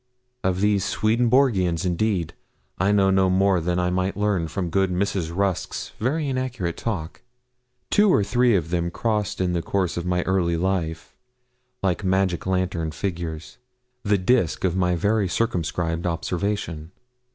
Of these Swedenborgians, indeed, I know no more than I might learn from good Mrs. Rusk's very inaccurate talk. Two or three of them crossed in the course of my early life, like magic lantern figures, the disk of my very circumscribed observation.